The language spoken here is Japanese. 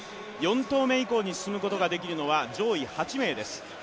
４投目以降に進むことができるのは上位８名です。